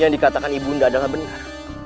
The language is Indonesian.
yang dikatakan ibu nda adalah benar